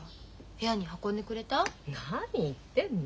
何言ってんの。